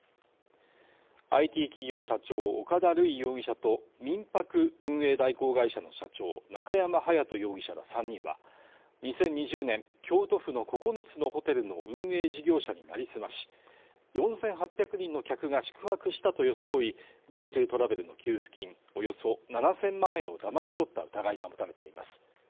ＩＴ企業社長岡田塁容疑者と民泊運営代行会社の社長中山勇人容疑者ら３人は２０２０年、京都府の９つのホテルの運営事業者になりすまし、４８００人の客が宿泊したと装い、ＧｏＴｏトラベルの給付金およそ７０００万円をだまし取った疑いが持たれています。